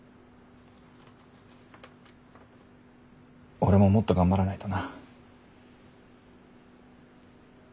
俺ももっと頑張らないとな。